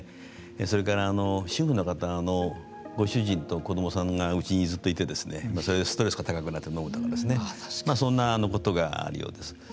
それから、主婦の方のご主人と子どもさんがうちにずっといてそれでストレスが高くなって飲むとかそんなことがあるようです。